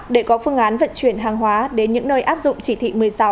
để có phương án vận chuyển hàng hóa đến những nơi áp dụng chỉ thị một mươi sáu